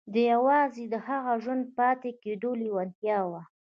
دا یوازې د هغه د ژوندي پاتې کېدو لېوالتیا وه